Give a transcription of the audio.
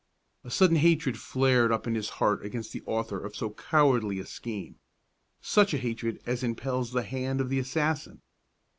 A sudden hatred flared up in his heart against the author of so cowardly a scheme, such a hatred as impels the hand of the assassin.